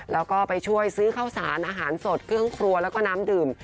แล้วก็ไปช่วยซื้อข้าวสารอาหารสดเครื่องครัวแล้วก็น้ำดื่ม